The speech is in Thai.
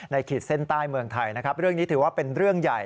ขีดเส้นใต้เมืองไทยนะครับเรื่องนี้ถือว่าเป็นเรื่องใหญ่